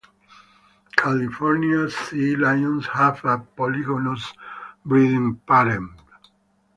California sea lions have a polygynous breeding pattern.